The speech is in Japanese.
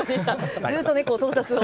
ずっと盗撮を。